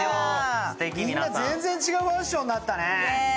みんな全然違うファッションになったね。